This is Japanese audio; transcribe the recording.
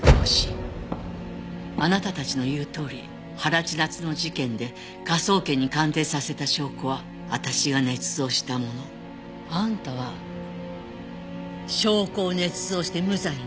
「あなたたちの言う通り原千夏の事件で科捜研に鑑定させた証拠は私が捏造したもの」あんたは証拠を捏造して無罪になった。